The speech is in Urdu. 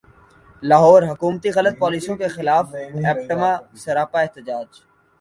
لاہور حکومتی غلط پالیسیوں کیخلاف ایپٹما سراپا احتجاج